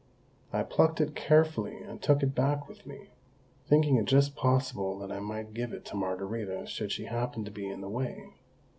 I plucked it carefully and took it back with me, thinking it just possible that I might give it to Margarita should she happen to be in the way.